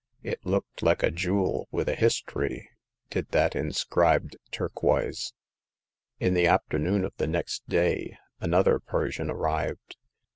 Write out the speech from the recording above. It looked like a jewel with a history, did that inscribed turquoise. In the afternoon of the next day aaoth^^t 254 Hagar of the Pawn Shop. Persian arrived.